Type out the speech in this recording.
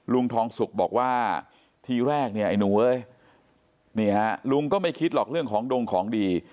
ลุงทองสุกบอกว่าทีแรกเนี่ยไอ้หนูเอ้ยนี่ฮะลุงก็ไม่คิดหรอกเรื่องของดงของดี